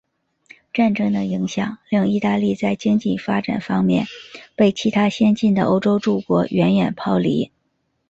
战争的影响令意大利在经济发展方面被其他先进的欧洲诸国远远抛离。